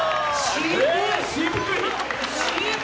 渋い！